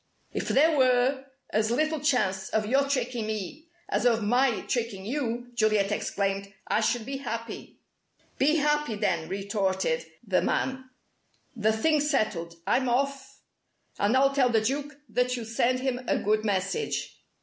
"If there were as little chance of your tricking me, as of my tricking you," Juliet exclaimed, "I should be happy." "Be happy then!" retorted the man. "The thing's settled. I'm off. And I'll tell the Duke that you send him a good message."